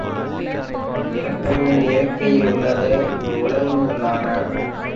இக்காரணங்கள் இயற்கையில் உள்ளார்ந்து உள்ளன.